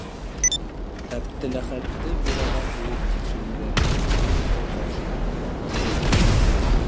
Әптеләхәтте бюроға ҡуйып тикшереүҙәренә ул инде ҡаршылыҡ күрһәтмәне.